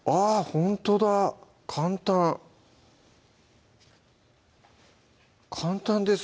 ほんとだ簡単簡単です